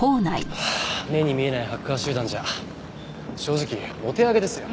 はあ目に見えないハッカー集団じゃ正直お手上げですよ。